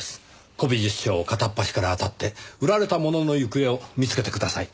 古美術商を片っ端からあたって売られたものの行方を見つけてください。